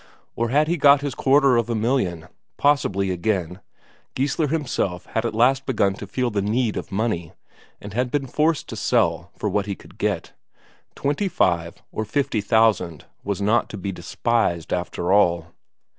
Or had he got his quarter of a million? Possibly, again, Geissler himself had at last begun to feel the need of money, and had been forced to sell for what he could get. Twenty five or fifty thousand was not to be despised, after all.